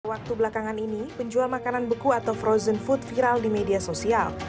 waktu belakangan ini penjual makanan beku atau frozen food viral di media sosial